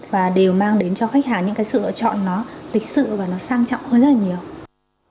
và đều mang đến cho khách hàng những sự lựa chọn lịch sự và sang trọng hơn rất nhiều